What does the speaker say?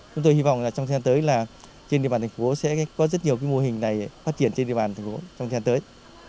chúng tôi hy vọng là trong thời gian tới là trên địa bàn thành phố sẽ có rất nhiều mô hình này phát triển trên địa bàn thành phố trong thời gian tới